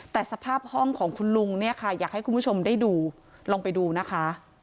แต่สภาพห้องของคุณลุงเนี่ยค่ะอยากให้คุณผู้ชมได้ดูลองไปดูนะคะ